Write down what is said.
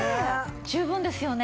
十分ですよね。